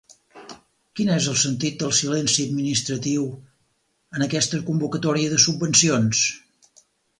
Quin és el sentit del silenci administratiu en aquesta convocatòria de subvencions?